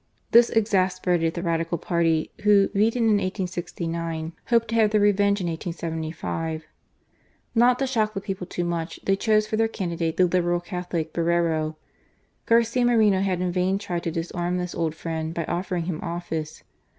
This exasperated the Radical party, who, beaten in 1869, hoped to have their revenge in 1875. Not to shock the people too much, tiiey chose for their candidate the Liberal Catholic, Borrero. Garcia Moreno had in vain tried to disarm this old friend by offering him office.